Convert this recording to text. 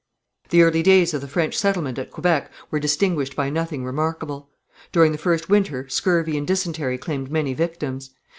The early days of the French settlement at Quebec were distinguished by nothing remarkable. During the first winter scurvy and dysentery claimed many victims.